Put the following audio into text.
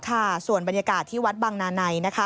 ค่ะส่วนบรรยากาศที่วัดบังนาในนะคะ